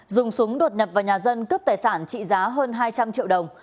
dùng súng đột nhập vào nhà dân cướp tài sản trị giá hơn hai trăm linh triệu đồng